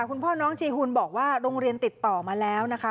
คุณพ่อน้องจีฮูนบอกว่าโรงเรียนติดต่อมาแล้วนะคะ